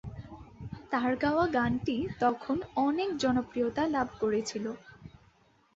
তার গাওয়া গানটি তখন অনেক জনপ্রিয়তা লাভ করেছিল।